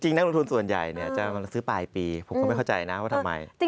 จริงนักลงทุนส่วนใหญ่จะซื้อปลาดปีผมคงไม่เข้าใจนะว่าทำไม